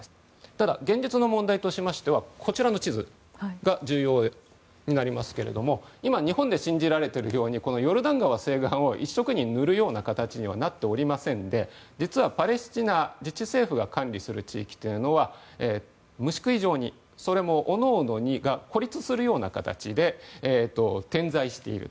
ただ、現実問題としましてはこちらの地図が重要になりますが今、日本で信じられているようにヨルダン川西岸を１色に塗るような形にはなっておりませんで実は、パレスチナ自治政府が管理する地域というのは虫食い状に、それも各々が孤立するような形で点在している。